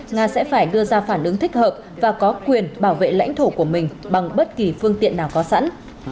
nga sẽ phải đưa ra phản ứng thích hợp và có quyền bảo vệ lãnh thổ của mình bằng bất kỳ phương tiện nào có sẵn